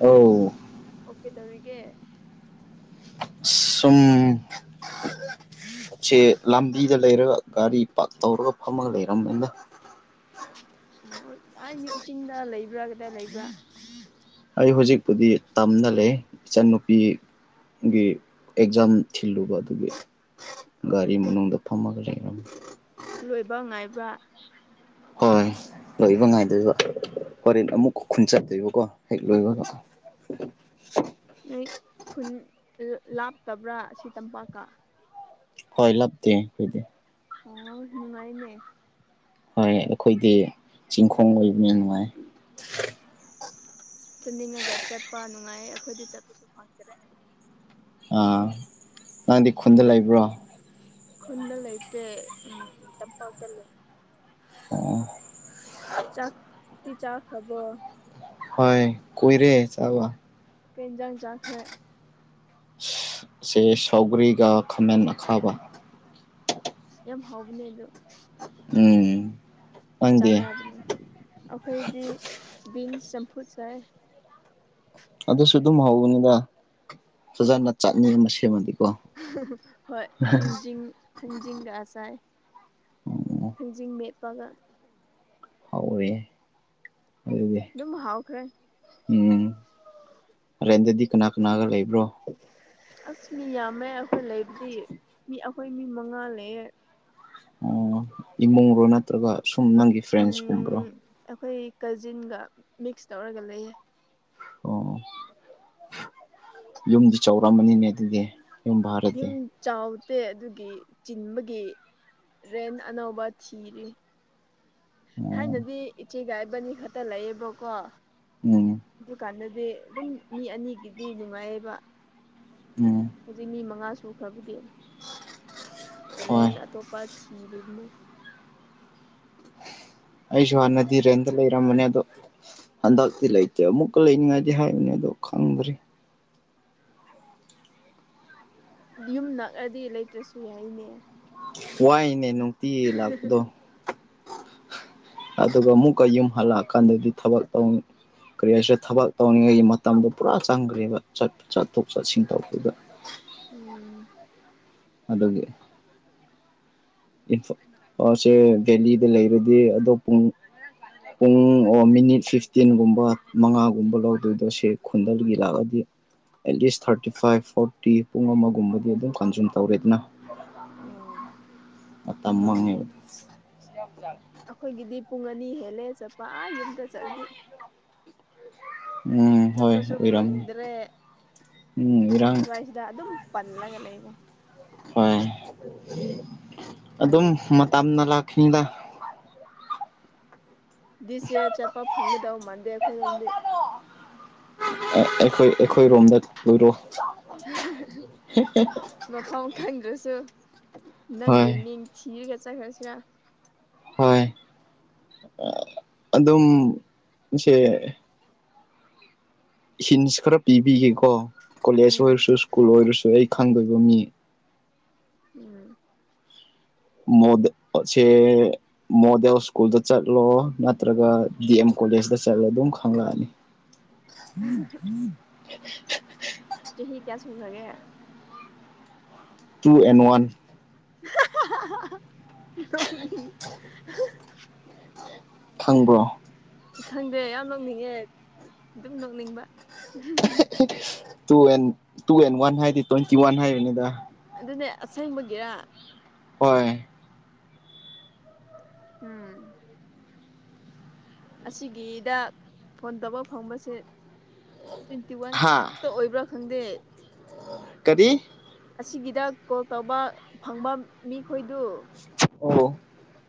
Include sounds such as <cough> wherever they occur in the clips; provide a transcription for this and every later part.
ꯑ ꯑꯣꯀꯦ ꯇꯧꯔꯤꯒꯦ ꯁꯨꯝ ꯎꯆꯦ ꯂꯝꯕꯤꯗ ꯂꯩꯔꯒ ꯒꯥꯔꯤ ꯄꯥꯛꯔ ꯇꯧꯔꯒ ꯐꯝꯃꯒ ꯂꯩꯔꯝꯕꯅꯤꯅ ꯑꯣ ꯑꯩ ꯆꯤꯡꯗ ꯂꯩꯕ꯭ꯔꯥ ꯀꯗꯥꯏ ꯂꯩꯕ꯭ꯔꯥ ꯑꯩ ꯍꯧꯖꯤꯛꯄꯨꯗꯤ ꯇꯝꯅ ꯂꯩ ꯏꯆꯟꯅꯨꯄꯤ ꯒꯤ ꯑꯦꯛꯖꯥꯝ ꯊꯤꯜꯂꯨꯕ ꯑꯗꯨꯒꯤ ꯒꯥꯔꯤ ꯑꯣ ꯃꯅꯨꯡꯗ ꯐꯝꯃꯒ ꯂꯩꯔꯝꯃꯤ ꯂꯣꯏꯕ ꯉꯥꯏꯕ꯭ꯔꯥ ꯍꯣꯏ ꯂꯣꯏꯕ ꯉꯥꯏꯗꯣꯏꯕ ꯍꯣꯔꯦꯟ ꯑꯃꯨꯛ ꯈꯨꯟ ꯆꯠꯇꯣꯏꯕꯀꯣ ꯍꯦꯛ ꯂꯣꯏꯕ ꯅꯣꯏ ꯈꯨꯟ ꯂꯥꯞꯇꯕ꯭ꯔꯥ ꯁꯤ ꯇꯝꯄꯥꯛꯀ ꯍꯣꯏ ꯂꯞꯇꯦ ꯑꯩꯣꯏꯗꯤ ꯑꯣ ꯅꯨꯡꯉꯥꯏꯅꯦ ꯍꯣꯏ ꯑꯩꯈꯣꯏꯗꯤ ꯆꯤꯡꯈꯣꯡ ꯑꯣꯏꯕꯅꯤ ꯅꯨꯡꯉꯥꯏ ꯆꯠꯅꯤꯡꯉꯒ ꯆꯠꯄ ꯅꯨꯡꯉꯥꯏ ꯑꯩꯈꯣꯏꯗꯤ ꯆꯠꯄꯁꯨ ꯐꯪꯗ꯭ꯔꯦ ꯑꯥ ꯅꯪꯗꯤ ꯈꯨꯟꯗ ꯂꯩꯕ꯭ꯔꯣ ꯀꯗꯂꯩꯦ ꯎꯝ ꯏꯇꯝ ꯄꯥꯎꯇ ꯂꯩ ꯑ ꯆꯥꯛꯗꯤ ꯆꯥ ꯈꯕ ꯍꯣꯏ ꯀꯣꯏꯔꯦ ꯆꯕ ꯀꯦꯟꯖꯥꯡ ꯆꯥꯈ꯭ꯔꯦ ꯁꯦ ꯁꯥꯎꯒ꯭ꯔꯤꯒ ꯈꯥꯃꯦꯟ ꯑꯈꯥꯕ ꯌꯦꯝ ꯍꯥꯎꯕꯅꯦ ꯑꯗꯨꯗꯨ ꯎꯝ ꯅꯪꯗꯤ ꯆꯥꯟꯅꯕꯅꯦ ꯑꯩꯈꯣꯏꯗꯤ ꯕꯤꯟꯁ ꯆꯝꯐꯨꯠ ꯁꯥꯏ ꯑꯗꯨꯁꯨ ꯑꯗꯨꯝ ꯍꯧꯕꯅꯤꯗ ꯐꯖꯅ ꯆꯠꯅꯤꯡ ꯃ ꯁꯦꯝꯃꯗꯤ ꯍꯣꯏ ꯊꯥꯡꯖꯤꯡ ꯊꯥꯡꯖꯤꯡꯒ ꯆꯥꯏ ꯎꯝ ꯊꯥꯡꯖꯤꯡ ꯃꯦꯠꯄꯒ ꯍꯧꯥꯎꯔꯌꯦ ꯑꯗꯨꯒꯤ ꯑꯗꯨꯝ ꯍꯥꯎꯈ꯭ꯔꯦ ꯍꯔꯦꯟꯗꯗꯤ ꯀꯅꯥ ꯀꯅꯥꯒ ꯂꯩꯕ꯭ꯔꯣ ꯑꯁ ꯃꯤ ꯌꯥꯝꯃꯦ ꯑꯩꯈꯣꯏ ꯂꯩꯕꯨꯗꯤ ꯃꯤ ꯑꯩꯈꯣꯏ ꯃꯤ ꯃꯉꯥ ꯂꯩꯌꯦ ꯏꯃꯨꯡꯔꯣ ꯅꯠꯇ꯭ꯔꯒ ꯁꯨꯝ ꯅꯪꯒꯤ ꯐ꯭ꯔꯦꯟꯁꯀꯨꯝꯕ꯭ꯔꯣ ꯎꯝ ꯑꯩꯈꯣꯏ ꯀꯖꯤꯟꯒ ꯃꯤꯛꯁ ꯇꯧꯔꯒ ꯂꯩꯌꯦ ꯑꯣ ꯌꯨꯝꯗ ꯆꯥꯎꯔꯛꯝꯕꯅꯤꯅꯦ ꯑꯗꯨꯗꯤ ꯌꯨꯝ ꯌꯨꯝ ꯚꯔꯥꯗꯤ ꯆꯥꯎꯗꯦ ꯑꯗꯨꯒꯤ ꯆꯤꯟꯕꯒꯤ ꯔꯦꯟ ꯑꯅꯧꯕ ꯊꯤꯔꯤ ꯑꯣ ꯊꯥꯏꯅꯗꯤ ꯏꯆꯦꯒꯥꯏꯕꯅꯤ ꯈꯛꯇ ꯂꯩꯌꯦꯕꯀꯣ ꯎꯝ ꯑꯗꯨꯀꯥꯟꯗꯗꯤ ꯑꯗꯨꯝ ꯃꯤ ꯑꯅꯤꯒꯤꯗꯤ ꯅꯨꯡꯉꯥꯏꯌꯦꯕ ꯎꯝ ꯍꯧꯖꯤꯛ ꯃꯤ ꯃꯉꯥ ꯁꯨꯈ꯭ꯔꯕꯒꯤ ꯍꯣꯏ ꯔꯦꯟ ꯑꯇꯣꯞꯄ ꯊꯤꯔꯤꯕꯅꯦ ꯑꯩꯁꯨ ꯍꯥꯟꯅꯗꯤꯔꯦꯝꯇ ꯂꯩꯔꯝꯃꯅꯦ ꯑꯗꯣ ꯍꯟꯗꯛꯇꯤ ꯂꯩꯇꯦ ꯑꯃꯨꯛꯀ ꯂꯩꯅꯤꯡꯉꯥꯏꯗꯤ ꯍꯥꯏꯕꯅꯤ ꯑꯗꯣ ꯈꯪꯗ꯭ꯔꯔꯤ ꯌꯨꯝ ꯅꯛꯑꯗꯤ ꯂꯩꯇ꯭ꯔꯁꯨ ꯌꯥꯏꯅꯦ ꯋꯥꯏꯅꯦ ꯅꯨꯡꯇꯤ ꯂꯥꯛꯄꯗꯣ ꯑꯗꯨꯒ ꯑꯃꯨꯛꯀ ꯌꯨꯝ ꯍꯜꯂꯛꯑꯀꯥꯟꯗꯗꯤ ꯊꯕꯛ ꯇꯧꯅꯤ ꯀꯔꯤ ꯍꯥꯏꯁꯤꯦ ꯊꯕꯛ ꯇꯧꯔꯤꯉꯩꯒꯤ ꯃꯇꯝꯗꯣ ꯄꯨꯔꯥ ꯆꯪꯈ꯭ꯔꯦꯕ ꯆꯠꯄ ꯆꯠꯊꯣꯛ ꯆꯠꯁꯤꯟ ꯇꯧꯕꯗꯨꯗ ꯎꯝ ꯑꯗꯨꯒꯤ ꯏꯝꯐꯜ ꯁꯦ ꯚꯦꯂꯤꯗ ꯂꯩꯔꯗꯤ ꯑꯗꯣ ꯄꯨꯡ ꯄꯨꯡ ꯑꯣ ꯃꯤꯅꯤꯠ ꯐꯤꯐꯇꯤꯟꯒꯨꯝꯕ ꯃꯉꯥꯒꯨꯝꯕ ꯂꯧꯗꯣꯏꯗꯣ ꯁꯤꯦ ꯈꯨꯟꯗꯜꯒꯤ ꯂꯥꯛꯑꯗꯤ at least thirty five forty ꯄꯨꯡ ꯑꯃꯒꯨꯝꯕꯗꯤ ꯑꯗꯨꯝ ꯀꯟꯖꯨꯝ ꯇꯧꯔꯦ ꯑꯗꯨꯅ ꯎ ꯃꯃ ꯑꯩꯈꯣꯏꯒꯤꯗꯤ ꯄꯨꯡ ꯑꯅꯤ ꯍꯦꯜꯂꯦ ꯆꯠꯄ ꯌꯨꯝꯗ ꯆꯠꯂꯦ ꯎꯝ ꯍꯣꯏ ꯆꯠꯄꯁꯨ ꯑꯣꯏꯔꯝꯅꯤ ꯐꯪꯗ꯭ꯔꯦ ꯎꯝ ꯏꯔꯥꯡ ꯁ꯭ꯋꯥꯏꯁꯤꯗ ꯑꯗꯨꯝ ꯄꯜꯂꯒ ꯂꯩꯔꯦ ꯍꯣꯏ ꯎꯄꯥꯏ ꯑꯗꯨꯝ ꯂꯩꯇꯦ ꯃꯇꯝꯅ ꯂꯥꯛꯈꯤꯗ ꯗꯤꯁ ꯏꯌꯥꯔ ꯆꯠꯄ ꯐꯪꯒꯗꯕ ꯃꯥꯟꯗꯦ ꯑꯩꯈꯣꯏꯔꯣꯝꯗꯤ ꯑꯩꯈꯣꯏ ꯑꯩꯈꯣꯏꯔꯣꯝꯗ ꯂꯔꯣ ꯃꯐꯝ ꯈꯪꯗ꯭ꯔꯁꯨ ꯍꯣꯏ ꯅꯪꯒꯤ ꯃꯤꯡ ꯊꯤꯔꯒ ꯆꯠꯈ꯭ꯔꯁꯨꯔ ꯍꯣꯏ ꯑꯗꯨꯝ ꯁꯦ ꯍꯤꯟꯁ ꯈꯔ ꯄꯤꯕꯤꯒꯦꯀꯣ ꯀꯣꯂꯦꯖ ꯎꯝ ꯑꯣꯏꯔꯁꯨ ꯁ꯭ꯀꯨꯜ ꯑꯣꯏꯔꯁꯨ ꯑꯩ ꯈꯪꯗꯣꯏꯕ ꯃꯤ ꯎꯝ ꯃꯣꯗꯁꯦ ꯃꯣꯗꯦꯜ ꯁ꯭ꯀꯨꯜꯗ ꯆꯠꯂꯣ ꯅꯠꯇ꯭ꯔꯒ ꯗꯤ ꯑꯦꯝ ꯀꯣꯂꯦꯖꯇ ꯆꯠꯂꯣ ꯑꯗꯨꯝ ꯈꯪꯂꯛꯑꯅꯤ ꯎꯝ ꯎꯝ ꯆꯍꯤꯍꯤ ꯀꯌꯥ ꯁꯟꯔꯒꯦ ꯇꯨ ꯑꯦꯟ ꯋꯥꯟ ꯅꯤ ꯈꯪꯕ꯭ꯔꯣ ꯈꯪꯗꯦ ꯌꯥꯝ ꯅꯣꯛꯅꯤꯡꯉꯦ ꯑꯗꯨꯝ ꯅꯣꯛꯅꯤꯡꯕ two and two and one ꯍꯥꯏꯗꯤ ꯇ꯭ꯋꯦꯟꯇꯤ ꯋꯥꯟ ꯍꯥꯏꯔꯤꯅꯤꯗ ꯑꯗꯨꯅꯦ ꯑꯁꯪꯕꯒꯤꯔ ꯍꯣꯏ ꯎꯝ ꯑꯁꯤꯒꯤꯗ ꯐꯣꯟ ꯇꯕ ꯐꯪꯕꯁꯦ ꯇ꯭ꯋꯦꯟꯇꯤ ꯋꯥꯟ ꯍꯥ ꯈꯛꯇ ꯑꯣꯏꯕ꯭ꯔꯥ ꯍꯟꯗꯦ ꯀꯔꯤ ꯑꯁꯤꯒꯤꯗ ꯀꯣꯜ ꯇꯧꯕ ꯐꯪꯕ ꯃꯤꯈꯣꯏꯗꯨ ꯑꯣ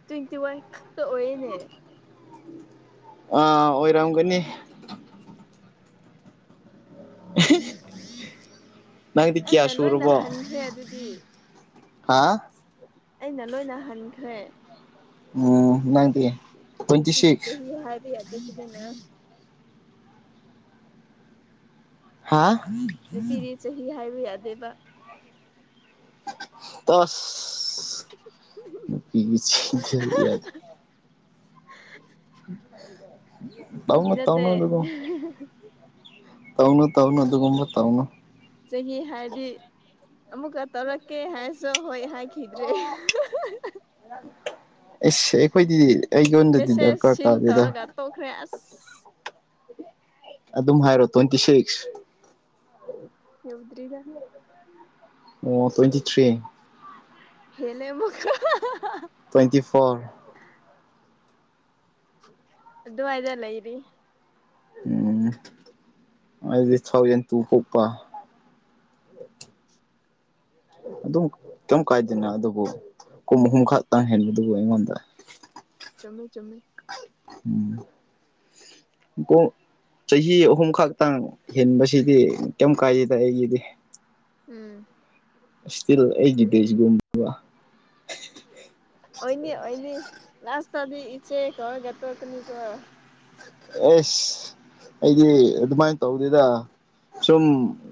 ꯇ꯭ꯋꯦꯟꯇꯤ ꯋꯥꯟꯛꯇ ꯑꯣꯏꯌꯦꯅꯦ ꯑꯥ ꯑꯣꯏꯔꯝꯒꯅꯤ ꯅꯪꯗꯤ ꯀꯌꯥ ꯑꯩꯅ ꯂꯣꯏꯅ ꯁꯨꯔꯕꯣ ꯍꯟꯈ꯭ꯔꯦ ꯑꯗꯨꯗꯤ ꯍꯥꯥ ꯑꯩꯅ ꯂꯣꯏꯅ ꯍꯟꯈ꯭ꯔꯦ ꯎꯝ ꯅꯪꯗꯤ ꯇꯋꯦꯟꯇꯤ ꯁꯤꯛꯁ ꯑꯗꯨꯗꯅ ꯍꯥꯥ ꯅꯨꯄꯤꯗꯤ ꯆꯍꯤ ꯍꯥꯏꯕ ꯌꯥꯗꯦꯕ ꯇꯁ <unintelligible> ꯇ ꯐꯥꯒꯤ ꯃ ꯅꯠꯇꯦ ꯇꯅ ꯑꯗꯨꯒꯕ ꯇꯧꯅꯨ ꯇꯧꯅꯨ ꯑꯗꯨꯒꯨꯝꯕ ꯇꯧꯅꯨ ꯆꯍꯤ ꯍꯥꯏꯗꯤ ꯑꯃꯨꯛꯀ ꯇꯧꯔꯛꯀꯦ ꯍꯥꯏꯔꯁꯨ ꯍꯣꯏ ꯍꯥꯏꯈꯤꯗ꯭ꯔꯦ ꯑꯁ ꯑꯩꯈꯣꯏꯗꯤꯗꯤ ꯑꯩꯒꯤꯉꯣꯟꯗꯗꯤ ꯗꯔꯀꯥꯔ ꯇꯥꯗꯦꯗ ꯇꯣꯈꯔꯦꯁ ꯑꯗꯨꯝ ꯍꯥꯏꯔꯣ ꯇ꯭ꯋꯦꯟꯇꯤ ꯁꯤꯛꯁ ꯌꯎꯗ꯭ꯔꯤꯒ ꯑꯣ ꯇ꯭ꯋꯦꯟꯇꯤ ꯊ꯭ꯔꯤ ꯍꯦꯂꯦꯃꯨ ꯇ꯭ꯋꯦꯟꯇꯤ ꯐꯣꯔ ꯑꯗꯨꯃꯥꯏꯅ ꯂꯩꯔꯤ ꯎꯝ ꯑꯗꯨꯗꯤ ꯊꯥꯎꯖꯟ ꯇ ꯄꯣꯛꯄ ꯑꯗꯨꯝ ꯀꯩꯝ ꯀꯥꯏꯗꯦꯅ ꯑꯗꯨꯕꯨ ꯀꯨꯝ ꯑꯍꯨꯝ ꯈꯛꯇꯪ ꯍꯦꯟꯕꯗꯨꯕꯨ ꯑꯩꯉꯣꯟꯗ ꯆꯨꯝꯃꯦ ꯆꯨꯝꯃꯦ ꯎꯝ ꯀꯣ ꯆꯍꯤ ꯑꯍꯨꯝ ꯈꯛꯇꯪ ꯍꯦꯟꯕꯁꯤꯗꯤ ꯀꯩꯝ ꯀꯥꯏꯗꯦꯗ ꯑꯩꯒꯤꯗꯤ ꯎꯝ ꯏꯁꯇꯤꯜ ꯑꯩꯒꯤ ꯕꯦꯁ ꯒꯨꯝꯕ ꯑꯣꯏꯅꯦ ꯑꯣꯏꯅꯤ ꯂꯥꯁꯇ ꯇꯗꯤ ꯏꯆꯦ ꯀꯧꯔꯒ‌ ꯇꯣꯛꯀꯅꯤ ꯀꯣ ꯑꯦꯁ ꯑꯩꯗꯤ ꯑꯗꯨꯃꯥꯏꯅ ꯇꯧꯗꯦꯗ ꯁꯨꯝ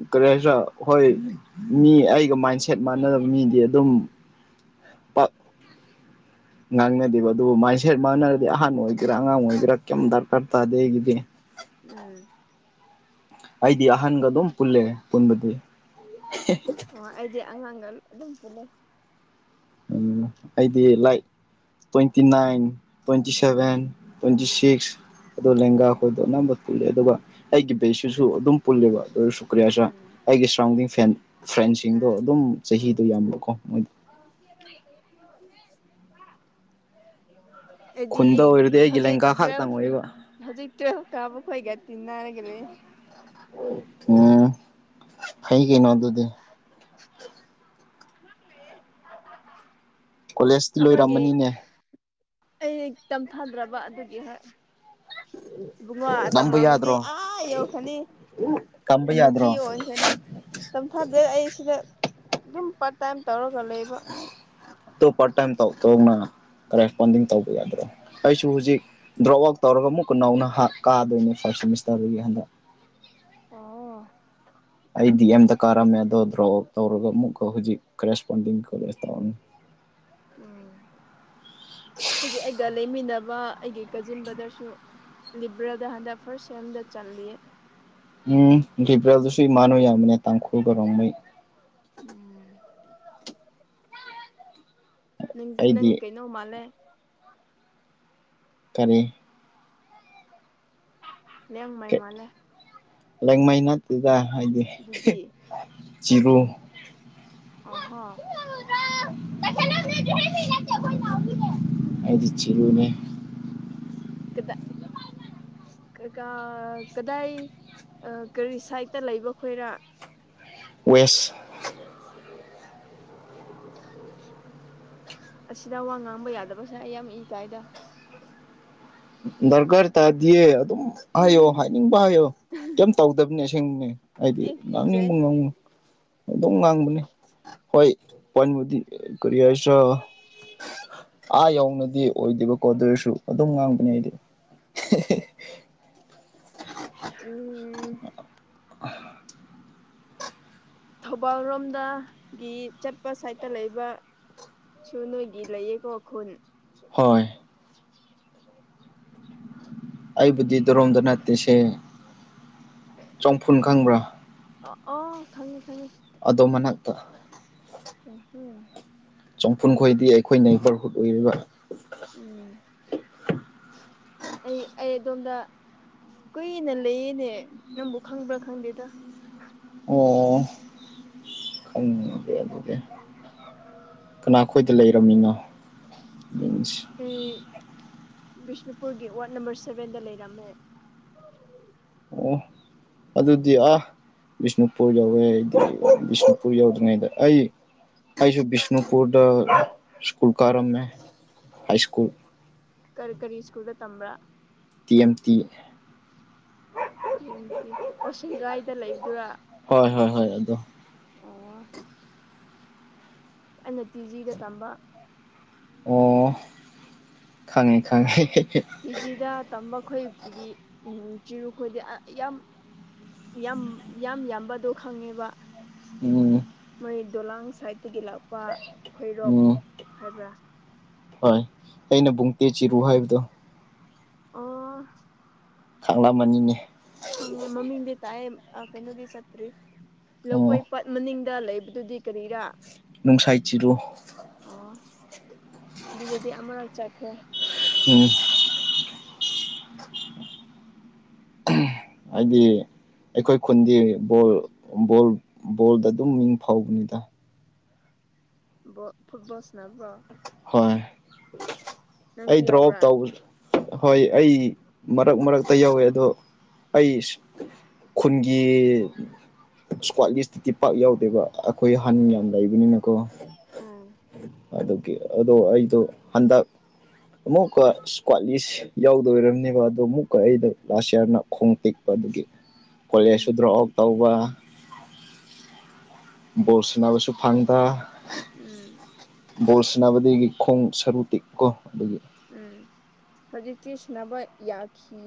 ꯀꯔꯤ ꯍꯥꯏꯁꯤꯔ ꯍꯣꯏ ꯃꯤ ꯑꯩꯒ ꯃꯥꯏꯟꯁꯦꯠ ꯃꯥꯟꯅꯗꯕ ꯃꯤꯗꯤ ꯑꯗꯨꯝ ꯄꯥꯛ ꯉꯥꯡꯅꯗꯦꯕ ꯑꯗꯨꯕꯨ ꯃꯥꯏꯟ ꯁꯦꯠ ꯃꯥꯟꯅꯔꯗꯤ ꯑꯍꯟ ꯑꯣꯏꯒꯦꯔꯥ ꯑꯉꯥꯡ ꯑꯣꯏꯒꯦꯔꯥ ꯀꯩꯝ ꯗꯔꯀꯥꯔ ꯇꯥꯗꯦ ꯑꯩꯒꯤꯗꯤ ꯎꯝ ꯑꯩꯗꯤ ꯑꯍꯟꯒ ꯑꯗꯨꯝ ꯄꯨꯜꯂꯦ ꯄꯨꯟꯕꯗꯤ ꯑꯣ ꯑꯩꯗꯤ ꯑꯉꯥꯡꯒ ꯑꯗꯨꯝ ꯄꯨꯂꯦ ꯎꯝ ꯑꯩꯗꯤ ꯂꯥꯏ twenty nine twenty seven twenty six ꯑꯗꯣ ꯂꯦꯡꯒꯥ ꯑꯩꯈꯣꯏꯗꯣ ꯑꯅꯝꯕ ꯄꯨꯜꯂꯦ ꯑꯗꯨꯒ ꯑꯩꯒꯤ ꯕꯦꯁꯤꯁꯨ ꯑꯗꯨꯝ ꯄꯨꯜꯂꯦꯕ ꯑꯗꯨ ꯑꯣꯏꯔꯁꯨ ꯀꯔꯤꯌꯥꯁ ꯎꯝ ꯑꯩꯒꯤ ꯁꯔꯥꯎꯟꯗꯤꯡ ꯐꯦꯟ ꯐ꯭ꯔꯦꯟꯁꯤꯡꯗꯣ ꯑꯗꯨꯝ ꯆꯍꯤꯗꯣ ꯌꯥꯝꯕꯀꯣ ꯃꯣꯏꯗ <unintelligible> ꯍꯥꯏꯗꯤ ꯈꯨꯟꯗ ꯑꯣꯏꯔꯗꯤ ꯑꯩꯒꯤ ꯍꯧꯖꯤꯛ ꯂꯦꯡꯒꯥ ꯈꯛꯇꯪ ꯑꯣꯏꯕ ꯇꯨꯋꯦꯜꯐ ꯍꯧꯖꯤꯛ ꯇꯋꯦꯜꯞ ꯀꯥꯕ ꯈꯣꯏꯒ ꯇꯤꯟꯅꯔꯒ ꯎꯝ ꯍꯩꯒꯩꯅꯣ ꯑꯗꯨꯗꯤ ꯂꯦ ꯀꯣꯂꯦꯖꯇꯤ ꯑꯩꯈꯣꯏꯒꯤ ꯂꯣꯏꯔꯝꯃꯅꯤꯅꯦ ꯑꯩ ꯇꯝꯊꯥꯗ꯭ꯔꯕ ꯑꯗꯨꯒꯤ ꯍꯣꯏ ꯏꯕꯨꯡꯉ ꯇꯝꯕ ꯇꯝꯃꯕꯗꯤ ꯌꯥꯗ꯭ꯔꯣ ꯑꯥ ꯌꯧꯔꯈꯅꯤ ꯇꯝꯕ ꯍꯅꯕꯤ ꯌꯥꯗ꯭ꯔꯣ ꯑꯣꯟꯈꯅꯤ ꯇꯝꯊꯥꯗꯦ ꯑꯩ ꯁꯤꯗ ꯑꯗꯨꯝ ꯄꯥꯔꯠ ꯇꯥꯏꯝ ꯇꯧꯔꯒ ꯂꯩꯕ ꯇꯣ ꯄꯔ ꯇꯥꯏꯝ ꯇꯥꯎ ꯇ ꯀꯔꯦꯁꯄꯣꯟꯗꯤꯡ ꯇꯧꯕ ꯌꯥꯗ꯭ꯔꯥ ꯑꯩꯁꯨ ꯍꯧꯖꯤꯛ ꯗ꯭ꯔꯣꯞ ꯑꯥꯎꯠ ꯇꯧꯔꯒ ꯑꯃꯨꯛ ꯈꯨꯨ ꯅꯧꯅ ꯀꯥꯗꯣꯏꯅꯤ ꯐꯥꯔꯁ ꯁꯦꯃꯤꯁꯇꯔꯗꯒꯤ ꯍꯟꯗꯛ ꯑ ꯑꯩ ꯗꯤ ꯑꯦꯝꯗ ꯀꯥꯔꯝꯃꯦ ꯑꯗꯣ ꯗ꯭ꯔꯣ ꯑꯥꯎ ꯇꯧꯔꯒ ꯑꯃꯨꯛꯀ ꯍꯧꯖꯤꯛ ꯀꯔꯦꯁꯄꯣꯟꯗꯤꯡ ꯀꯣꯂꯦꯖ ꯇꯧꯔꯅꯤ ꯎꯝ ꯍꯧꯖꯤꯛ ꯑꯩꯒ ꯂꯩꯃꯤꯟꯅꯕ ꯑꯩꯒꯤ ꯀꯖꯤꯟ ꯕ꯭ꯔꯗꯔꯁꯨ ꯂꯤꯕꯔꯦꯜꯗ ꯍꯟꯗꯛ ꯐꯥꯔꯁ ꯁꯦꯝꯗ ꯆꯠꯂꯤ ꯎꯝ ꯄ꯭ꯔꯦꯜꯗꯨꯁꯨ ꯏꯃꯥꯟꯅꯅꯕ ꯌꯥꯕꯅꯦ ꯇꯥꯡꯈꯨꯜꯒꯔꯣꯡꯃꯩ ꯎꯝ ꯅꯪ ꯅꯪ ꯑꯩꯗꯤ ꯀꯩꯅꯣ ꯃꯥꯂꯦ ꯀꯔꯤ ꯅꯉ ꯃꯥꯏ ꯃꯥꯂꯦ ꯂꯦꯡ ꯃꯩꯟꯠꯇꯗ ꯍꯥꯏꯗꯤ ꯑꯗꯨꯗꯤ ꯆꯤꯔꯨ ꯑꯍꯥ ꯑꯩꯗꯤ ꯆꯤꯔꯨꯅꯦ ꯀꯗ ꯀꯥ ꯀꯗꯥꯏ ꯀꯔꯤ ꯁꯥꯏꯠꯇ ꯂꯩꯕ ꯈꯣꯏꯔ ꯋꯦꯁ ꯑꯁꯤꯗ ꯋꯥ ꯉꯥꯡꯕ ꯌꯥꯗꯕꯁꯦ ꯑꯩ ꯌꯥꯝ ꯏ ꯀꯥꯏꯗ ꯗꯔꯀꯥꯔ ꯇꯥꯗꯤꯌꯦ ꯑꯗꯨꯝ ꯍꯥꯏꯌꯣ ꯍꯥꯏꯅꯤꯡꯕ ꯍꯥꯏꯌꯣ ꯀꯩꯝ ꯇꯧꯗꯕꯅꯦ ꯑꯁꯦꯡꯕꯅꯦ ꯍꯥꯏꯗꯤ ꯑꯩ ꯀꯤꯖꯩ ꯉꯥꯡꯅꯤꯡꯕ ꯉꯥꯡꯕ ꯑꯗꯨꯝ ꯉꯥꯡꯕꯅꯤ ꯍꯣꯏ ꯄꯃꯗꯤ ꯀ ꯑꯁ ꯑꯥ ꯌꯧꯅꯗꯤ ꯑꯣꯏꯗꯦꯕꯀꯣ ꯑꯗꯨ ꯑꯣꯏꯔꯁꯨ ꯑꯗꯨꯝ ꯉꯥꯡꯕꯅꯦ ꯑꯩꯗꯤ ꯎꯝ ꯊꯧꯕꯥꯜ ꯂꯣꯝꯗꯒꯤ ꯆꯠꯄ ꯁꯥꯏꯠꯇ ꯂꯩꯕ ꯁꯨ ꯅꯣꯏꯒꯤ ꯂꯩꯌꯦꯀꯣꯈꯜ ꯍꯣꯏ ꯑꯩꯕꯨꯗꯤ ꯗꯣꯔꯣꯝꯗ ꯅꯠꯇꯦꯁꯦ ꯆꯝꯐꯨꯟ ꯈꯪꯕ꯭ꯔꯥ ꯑ ꯑꯣ ꯈꯪꯉꯤ ꯈꯉꯤ ꯑꯗꯣ ꯃꯅꯥꯛꯇ ꯑꯣ ꯍꯣ ꯆꯝꯐꯨꯟ ꯈꯣꯏꯗꯤ ꯑꯩꯈꯣꯏꯅ ꯏꯕꯔꯍꯨꯠ ꯑꯣꯏꯔꯤꯕ ꯎꯝ ꯑꯩ ꯑꯩ ꯑꯗꯣꯝꯗ ꯀꯨꯏꯅ ꯂꯩꯌꯦꯅꯦ ꯅꯪꯕꯨ ꯈꯪꯕ꯭ꯔꯥ ꯈꯪꯗꯦꯗ ꯑꯣ ꯈꯪꯗꯦ ꯑꯗꯨꯗꯤ <inaudible> ꯀꯅꯥꯈꯣꯏꯗ ꯂꯩꯔꯝꯃꯤꯅꯣ ꯌꯦ ꯎꯝ ꯕꯤꯁꯅꯨꯄꯨꯔꯒꯤ ꯋꯥꯔꯗ ꯅꯝꯕꯔ ꯁꯚꯦꯟꯗ ꯂꯩꯔꯝꯃꯦ ꯑꯣ ꯑꯗꯨꯗꯤ ꯑ ꯕꯤꯁꯅꯨꯄꯨꯔ ꯌꯧꯋꯦ ꯑꯩꯗꯤ ꯕꯤꯁꯅꯨꯄꯨꯔ ꯌꯧꯗ꯭ꯔꯤꯉꯩꯗ ꯑꯩ ꯑꯩꯁꯨ ꯕꯤꯁꯅꯨꯄꯨꯔꯗ ꯁ꯭ꯀꯨꯜ ꯀꯔꯃꯦ ꯍꯥꯏ ꯁ꯭ꯀꯨꯜ ꯀꯔꯤ ꯀꯔꯤ ꯁ꯭ꯀꯨꯜꯗ ꯇꯝꯕ꯭ꯔꯥ ꯇꯤ ꯑꯦꯝ ꯇꯤ ꯀꯦꯝꯇꯤ ꯑꯣꯁꯦꯡꯒꯥꯏꯗ ꯂꯩꯕꯗꯨꯔꯥ ꯍꯣꯏ ꯍꯣꯏ ꯍꯣꯏ ꯑꯗꯣ ꯑꯣ ꯑꯩꯅ ꯇꯤꯖꯤꯗ ꯇꯝꯕ ꯈꯥꯉꯩ ꯈꯥꯉꯩ ꯀꯤꯖꯤꯗ ꯇꯝꯕ ꯈꯣꯏꯒꯤ ꯆꯤꯔꯨꯈꯣꯏꯗꯤ ꯌꯥꯝ ꯌꯥꯝ ꯌꯥꯝ ꯌꯥꯝꯕꯗꯣ ꯈꯪꯉꯦꯕ ꯑꯗꯨ ꯃꯣꯏ ꯗꯣꯂꯥꯡ ꯁꯥꯏꯠꯇꯒꯤ ꯂꯥꯛꯄ ꯈꯣꯏꯔꯣꯛ ꯎꯝ ꯍꯥꯏꯕ꯭ꯔꯥ ꯍꯣꯏ ꯑꯩꯅ ꯕꯨꯡ ꯇꯦ ꯆꯤꯔꯨ ꯍꯥꯏꯕꯗꯣ ꯑꯣ ꯈꯥꯡꯂꯝ ꯃꯅꯤꯅꯦ ꯈꯪꯉꯦ ꯃꯃꯤꯅꯦ ꯇꯥꯌꯦ ꯑ ꯀꯩꯅꯣꯗꯤ ꯁꯠꯇ꯭ꯔꯦ ꯂꯧꯀꯣꯏ ꯑꯣ ꯄꯥꯠ ꯃꯅꯤꯡꯗ ꯂꯩꯕꯗꯨꯗꯤ ꯀꯔꯤꯔꯥ ꯅꯨꯡꯁꯥꯏ ꯆꯤꯔꯣ ꯑꯣ ꯑꯗꯨꯗꯗꯤ ꯑꯃꯔꯛ ꯆꯠꯈ꯭ꯔꯦ ꯎꯝ ꯍꯥꯏꯗꯤ ꯑꯩꯈꯣꯏ ꯈꯨꯟꯗꯤ ꯕꯣꯜ ꯕꯣꯛ ꯕꯣꯜꯗ ꯑꯗꯨꯝ ꯃꯤꯡ ꯐꯥꯎꯕꯅꯤꯗ ꯕꯣꯜ ꯐꯨꯠꯕꯣꯜ ꯁꯥꯅꯕ꯭ꯔꯣ ꯍꯣꯏ ꯅꯪꯁꯨ ꯑꯩ ꯗ꯭ꯔꯣꯞ ꯌꯥꯎꯕ꯭ꯔꯥ ꯇꯧꯕ ꯍꯣꯏ ꯑꯩ ꯃꯔꯛ ꯃꯔꯛꯇ ꯌꯧꯋꯦ ꯑꯗꯣ ꯑꯩ ꯈꯨꯟꯒꯤ ꯏꯁꯀ꯭ꯋꯥꯠ ꯂꯤꯁꯇꯗꯤ ꯄꯥꯛ ꯌꯥꯎꯗꯦꯕ ꯑꯩꯈꯣꯏ ꯑꯍꯟ ꯌꯥꯝ ꯎꯝ ꯂꯩꯕꯅꯤꯅꯀꯣ ꯎꯝ ꯑꯗꯨꯒꯤ ꯑꯗꯨ ꯑꯩꯗꯣ ꯍꯟꯗꯛ ꯑꯃꯨꯛꯀ ꯏꯁꯀ꯭ꯋꯥꯠꯂꯤꯁ ꯌꯥꯎꯗꯣꯏꯔꯝꯅꯦꯕ ꯑꯗꯣ ꯑꯃꯨꯛꯀ ꯑꯩꯗ ꯂꯥꯁ ꯏꯌꯥꯔꯅ ꯈꯣꯡ ꯇꯦꯛꯄ ꯑꯗꯨꯒꯤ <inaudible> ꯀꯣꯂꯦꯖꯁꯨ ꯗ꯭ꯔꯣꯞ ꯑꯥꯎꯠ ꯇꯧꯕ ꯕꯣꯜ ꯁꯥꯟꯅꯕꯁꯨ ꯐꯪꯗ ꯎꯝ ꯕꯣꯜ ꯁꯥꯟꯅꯕꯗꯒꯤ ꯈꯣꯡ ꯁꯔꯨ ꯇꯦꯛꯄꯀꯣ ꯑꯗꯨꯗꯒꯤ ꯎꯝ ꯍꯧꯖꯤꯛꯇꯤ ꯁꯥꯅꯕ ꯌꯥꯈꯤ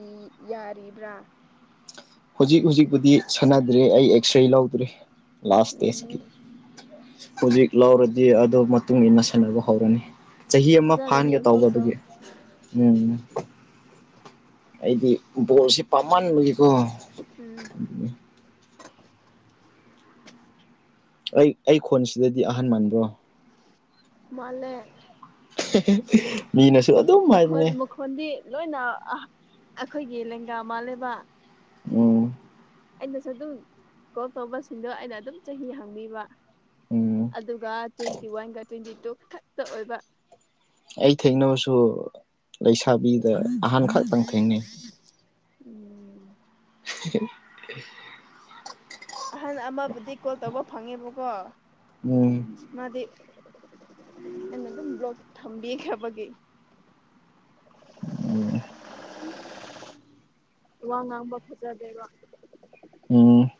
ꯌꯥꯔꯤꯕ꯭ꯔꯥ ꯍꯧꯖꯤꯛ ꯍꯧꯖꯤꯛꯄꯨꯗꯤ ꯁꯥꯟꯅꯗ꯭ꯔꯦ ꯑꯩ ꯑꯦꯛꯁꯔꯦ ꯂꯧꯗ꯭ꯔꯤ ꯂꯥꯁ ꯗꯦꯖꯀꯤ ꯎꯝ ꯍꯧꯖꯤꯛ ꯂꯧꯔꯗꯤ ꯑꯗꯨ ꯃꯇꯨꯡ ꯏꯟꯅ ꯁꯥꯟꯅꯕ ꯍꯧꯔꯅꯤ ꯆꯍꯤ ꯑꯃ ꯐꯖꯅ ꯐꯥꯍꯟꯒꯦ ꯇꯧꯕ ꯌꯦꯡꯊꯣꯛꯆꯧ ꯑꯗꯨꯒꯤ ꯎꯝꯝ ꯑꯩꯗꯤ ꯕꯣꯜꯁꯤ ꯄꯥꯝꯃꯟꯕꯒꯤꯀꯣ ꯎꯝ ꯑꯩ ꯑꯩ ꯈꯣꯟꯁꯤꯗꯗꯤ ꯑꯍꯟ ꯃꯟꯥꯕ꯭ꯔꯣ ꯃꯥꯂꯦ <unintelligible> ꯃꯤꯅꯁꯨ ꯑꯗꯨꯝ ꯃꯈꯣꯜ ꯍꯥꯏꯕꯅꯦ ꯃꯈꯣꯜꯗꯤ ꯂꯣꯏꯅ ꯑꯩꯈꯣꯏꯒꯤ ꯂꯦꯡꯒꯥ ꯃꯥꯜꯂꯦꯕ ꯑꯝ ꯑꯩꯅꯁꯨ ꯑꯗꯨꯝ ꯀꯣꯜ ꯇꯧꯕꯁꯤꯡꯗꯣ ꯑꯩꯅ ꯑꯗꯨꯝ ꯆꯍꯤ ꯍꯥꯡꯕꯤꯕ ꯎꯝ ꯑꯗꯨꯒ ꯇ꯭ꯋꯦꯟꯇꯤ ꯋꯥꯟꯒ ꯇ꯭ꯋꯦꯟꯇꯤ ꯇꯨ ꯈꯛꯇ ꯑꯣꯏꯕ ꯑꯩ ꯊꯦꯡꯅꯕꯁꯨ ꯂꯩꯁꯥꯕꯤꯗ ꯑꯍꯥꯟ ꯈꯛꯇꯪ ꯊꯦꯡꯅꯩ ꯎꯝ <unintelligible> ꯑꯍꯟ ꯑꯃꯕꯨꯗꯤ ꯀꯣꯜ ꯇꯧꯕ ꯐꯪꯉꯦꯕꯀꯣ ꯎꯝ ꯃꯥꯗꯤ ꯑꯩꯅ ꯑꯗꯨꯝ ꯕ꯭ꯂꯣꯛ ꯊꯝꯕꯤꯈ꯭ꯔꯕꯒꯤ ꯑꯣ <unintelligible> ꯋꯥ ꯉꯥꯡꯕ ꯐꯖꯗꯦ ꯕꯥ ꯎꯝ